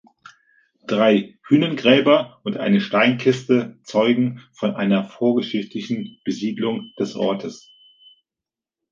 Drei Hünengräber und eine Steinkiste zeugen von einer vorgeschichtlichen Besiedlung des Ortes.